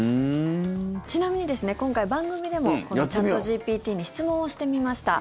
ちなみに今回、番組でもこのチャットＧＰＴに質問をしてみました。